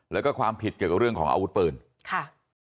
แล้วก็ความผิดเกี่ยวกับเรื่องของอาวุธปืนค่ะ